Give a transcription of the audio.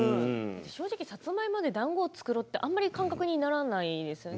さつまいもでだんごを作ろうという感覚にならないですよね。